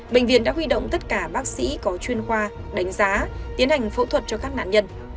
bệnh viện đã huy động tất cả bác sĩ có chuyên khoa đánh giá tiến hành phẫu thuật cho các nạn nhân